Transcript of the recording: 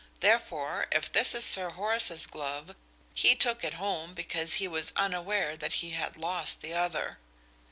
Therefore if this is Sir Horace's glove he took it home because he was unaware that he had lost the other.